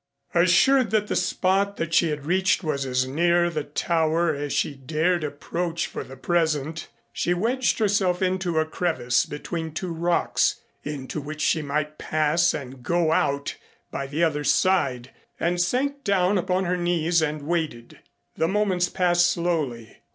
Assured that the spot that she had reached was as near the Tower as she dared approach for the present, she wedged herself into a crevice between two rocks, into which she might pass and go out by the other side, and sank down upon her knees and waited. The moments passed slowly.